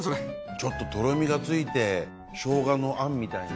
ちょっととろみがついてしょうがの餡みたい。